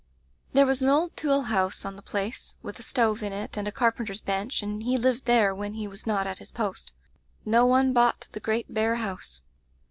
"There was an old tool house on the place, with a stove in it and a carpenter's bench, and he lived there when he was not at his post. No one bought the great bare house.